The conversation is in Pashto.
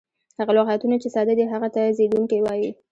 هغه لغتونه، چي ساده دي هغه ته زېږوونکی وایي.